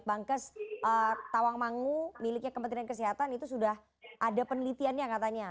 bangkes tawangmangu miliknya kementerian kesehatan itu sudah ada penelitiannya katanya